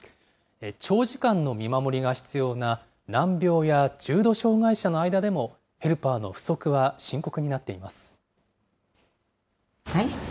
長時間の見守りが必要な難病や重度障害者の間でもヘルパーの不足は深刻になっています。